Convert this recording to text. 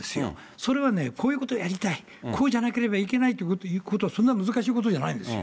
それはね、こういうことをやりたい、こうじゃなければいけないということを、そんな難しいことじゃないですよ。